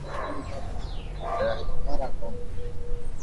Dama wa jirani.